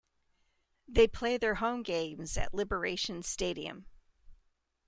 They play their home games at Liberation Stadium.